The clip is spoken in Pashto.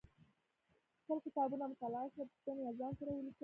خپل کتابونه مطالعه کړئ او پوښتنې له ځان سره ولیکئ